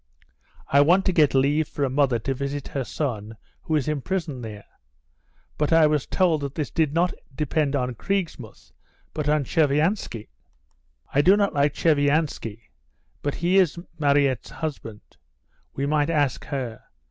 "I want to get leave for a mother to visit her son who is imprisoned there. But I was told that this did not depend on Kriegsmuth but on Tcherviansky." "I do not like Tcherviansky, but he is Mariette's husband; we might ask her.